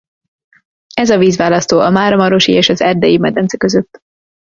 Ez a vízválasztó a Máramarosi- és az Erdélyi-medence között.